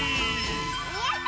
やった！